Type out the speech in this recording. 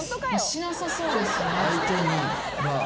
しなさそうですね。